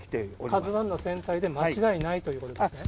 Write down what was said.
カズワンの船体で間違いないということですね？